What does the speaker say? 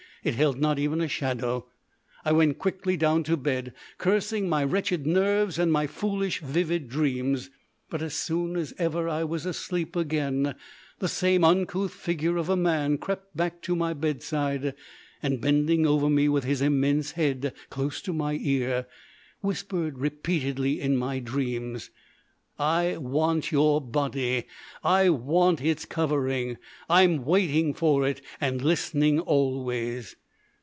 It held not even a shadow. I went quickly down to bed, cursing my wretched nerves and my foolish, vivid dreams. But as soon as ever I was asleep again, the same uncouth figure of a man crept back to my bedside, and bending over me with his immense head close to my ear, whispered repeatedly in my dreams, "I want your body; I want its covering. I'm waiting for it, and listening always."